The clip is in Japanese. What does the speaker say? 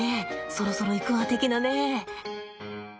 そろそろいくわ的なね。